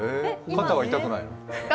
肩は痛くないの？